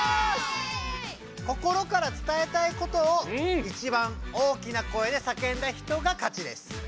心からつたえたいことを一番大きな声でさけんだ人が勝ちです。